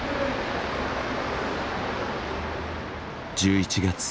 １１月。